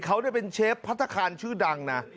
เขาเป็นเชฟพัฒนาคารชื่อดังนะ